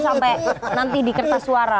kita nggak tahu sampai nanti di kertas suara